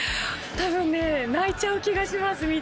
多分ね泣いちゃう気がします